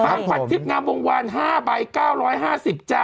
ครับผมห้างพันธุ์ทิพย์งามวงวัน๕ใบ๙๕๐จ๊ะ